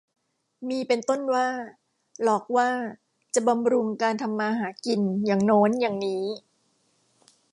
มีเป็นต้นว่า หลอกว่าจะบำรุงการทำมาหากินอย่างโน้นอย่างนี้